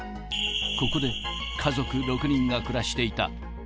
ここで家族６人が暮らしていた。